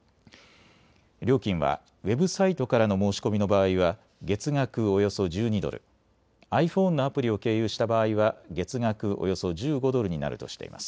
料金はウェブサイトからの申し込みの場合は月額およそ１２ドル、ｉＰｈｏｎｅのアプリを経由した場合は月額およそ１５ドルになるとしています。